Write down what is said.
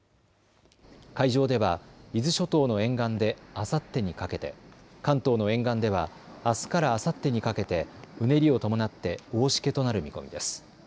海上では伊豆諸島の沿岸であさってにかけて、関東の沿岸ではあすからあさってにかけてうねりを伴って大しけとなる見込みです。